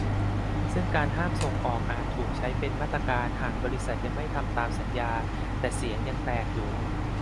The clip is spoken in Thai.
ซึ่งการห้ามส่งออกอาจถูกใช้เป็นมาตรการหากบริษัทยังไม่ทำตามสัญญา แต่เสียงยังแตกอยู่